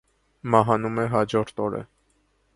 Մահանում է հաջորդ օրը։